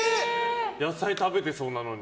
野菜食べてそうなのに。